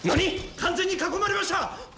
完全に囲まれました！